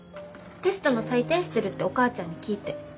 テストの採点してるってお母ちゃんに聞いて。